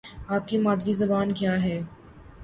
آپ کی مادری زبان کیا ہے؟